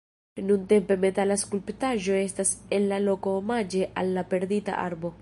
Nuntempe metala skulptaĵo estas en la loko omaĝe al la perdita arbo..